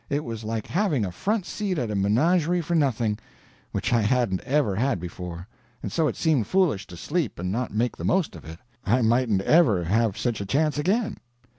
It was like having a front seat at a menagerie for nothing, which I hadn't ever had before, and so it seemed foolish to sleep and not make the most of it; I mightn't ever have such a chance again.